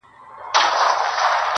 دلته چا په ویښه نه دی ازمېیلی -